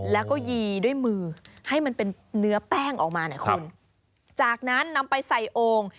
แล้วก็ยีด้วยมือให้มันเป็นเนื้อแป้งออกมาเนี่ยคุณจากนั้นนำไปใส่โอ่ง